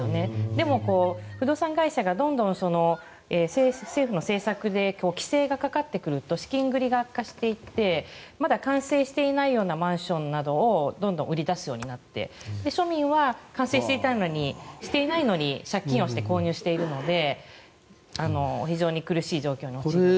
でも、不動産会社がどんどん政府の政策で規制がかかってくると資金繰りが悪化していってまだ完成していないようなマンションなどをどんどん売り出すようになって市民は完成していないのに借金をして購入しているので非常に苦しい状況に陥っていますね。